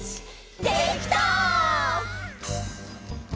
「できた！」